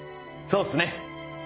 そうっすね！